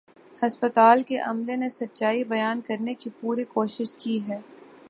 ہسپتال کے عملے نے سچائی بیان کرنے کی پوری کوشش کی ہے